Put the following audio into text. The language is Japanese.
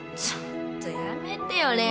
ちょっとやめてよ。